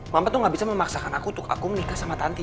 mama tuh gak bisa memaksakan aku untuk aku menikah sama tante